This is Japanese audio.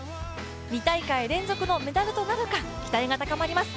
２大会連続のメダルとなるか、期待が高まります。